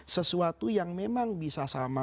sesuatu yang memang bisa sama